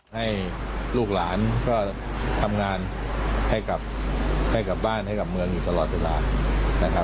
ให้ลูกหลานก็ทำงานให้กลับบ้านให้กับเมืองอยู่ตลอดเวลานะครับ